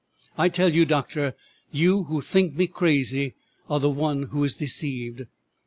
I tell you, doctor, you who think me crazy are the one who is deceived.